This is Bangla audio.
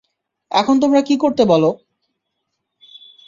এখন তোমরা কি করতে বল?